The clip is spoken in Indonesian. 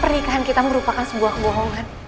pernikahan kita merupakan sebuah kebohongan